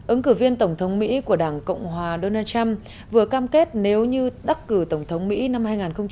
ứng cử viên tổng thống mỹ của đảng cộng hòa donald trump vừa cam kết nếu như đắc cử tổng thống mỹ năm hai nghìn một mươi sáu